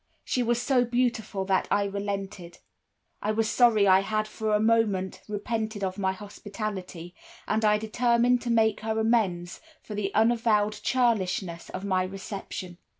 She was so beautiful that I relented. I was sorry I had for a moment repented of my hospitality, and I determined to make her amends for the unavowed churlishness of my reception.